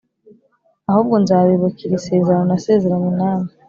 Ahubwo nzabibukira isezerano nasezeranye namwe.